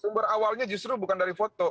sumber awalnya justru bukan dari foto